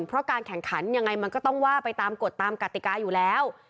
เพราะการแข่งขันยังไงมันก็ต้องว่าไปตามกฎตามกติกาอยู่แล้ว